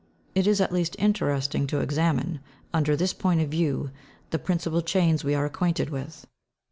It is at least interesting to examine, under this point of view, the principal chains we are acquainted with.